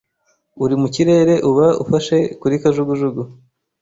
uri mu kirere uba ufashe kuri kajugujugu